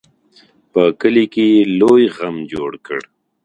په کلي کې یې لوی غم جوړ کړ.